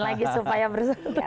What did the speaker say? memberikan jalan lagi supaya bersatu